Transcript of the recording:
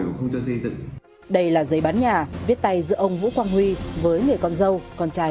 và không cho xây dựng đây là giấy bán nhà viết tay giữa ông vũ quang huy với người con dâu con trai